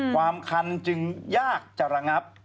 ความคันจึงยากจะระงับ